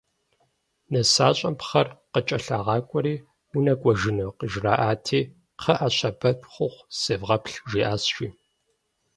Нысащӏэм пхъэр къыкӏэлъагъакӏуэри «унэкӏуэжыну?» къыжыраӏати, «Кхъыӏэ, щэбэт хъуху севгъэплъ», жиӏащ жи.